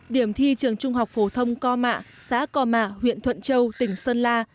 điểm thi trường trung học phổ thông co mạ xã co mạ huyện thuận châu tỉnh sơn la